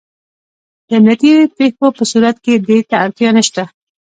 د امنیتي پېښو په صورت کې دې ته اړتیا نشته.